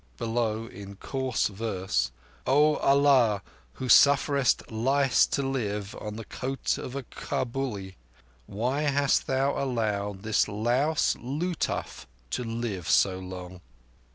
Below, in coarse verse: "O Allah, who sufferest lice to live on the coat of a Kabuli, why hast thou allowed this louse Lutuf to live so long?"